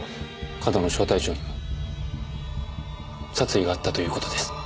上遠野小隊長には殺意があったという事です。